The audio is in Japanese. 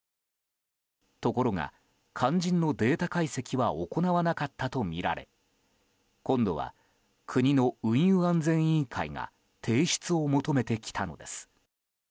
ところが、肝心のデータ解析は行わなかったとみられ今度は、国の運輸安全委員会が提出を求めてきたのです。